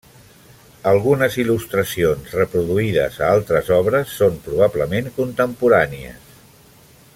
Algunes il·lustracions reproduïdes a altres obres són probablement contemporànies.